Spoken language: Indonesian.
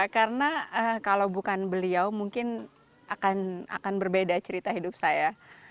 karena kalau bukan beliau mungkin akan berbeda cerita hidup saya